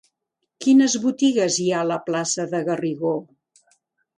Quines botigues hi ha a la plaça de Garrigó?